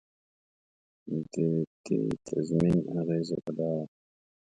د دې تضمین اغېزه به دا وه.